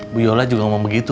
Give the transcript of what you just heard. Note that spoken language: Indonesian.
woyola juga mau begitu